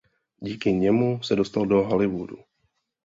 Díky němu se dostal do Hollywoodu.